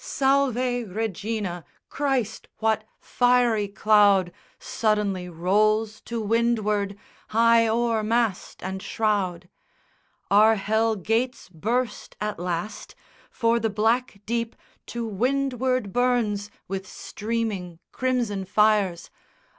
SALVE REGINA! Christ, what fiery cloud Suddenly rolls to windward, high o'er mast and shroud? Are hell gates burst at last? For the black deep To windward burns with streaming crimson fires!